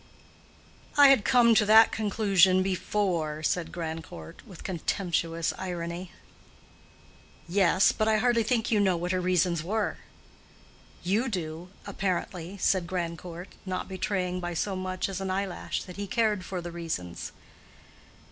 "I had come to that conclusion before," said Grandcourt, with contemptuous irony. "Yes, but I hardly think you know what her reasons were." "You do, apparently," said Grandcourt, not betraying by so much as an eyelash that he cared for the reasons.